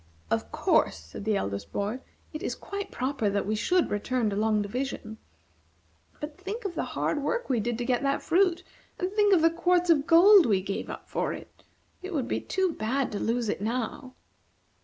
"Of course," said the eldest boy, "it is quite proper that we should return to Long Division. But think of the hard work we did to get that fruit, and think of the quarts of gold we gave up for it! It would be too bad to lose it now!"